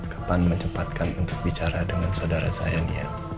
kapan mencepatkan untuk bicara dengan saudara saya dia